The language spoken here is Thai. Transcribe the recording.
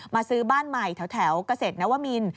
ซื้อบ้านใหม่แถวเกษตรนวมิน